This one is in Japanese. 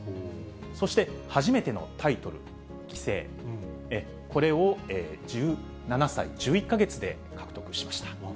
そして初めてのタイトル、棋聖、これを１７歳１１か月で獲得しました。